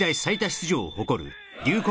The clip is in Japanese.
出場を誇る龍谷